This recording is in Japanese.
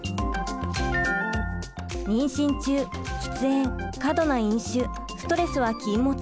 妊娠中「喫煙」「過度な飲酒」「ストレス」は禁物。